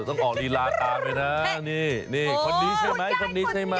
ต้องออกลีลาตามเลยนะนี่นี่คนนี้ใช่ไหมคนนี้ใช่ไหม